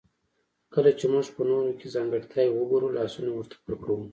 کله چې موږ په نورو کې ځانګړتياوې وګورو لاسونه ورته پړکوو.